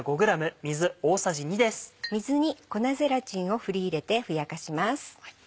水に粉ゼラチンを振り入れてふやかします。